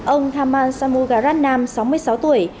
ông thamman sammugaranam sáu mươi sáu tuổi